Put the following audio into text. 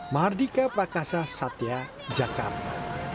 mardika prakasa satya jakarta